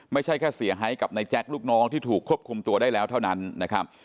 ไม่ใช่แค่เสียหายกับนายแจ๊คลูกน้องที่ถูกควบคุมตัวได้แล้วเท่านั้นนะครับ